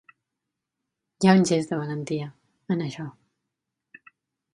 Hi ha un gest de valentia, en això.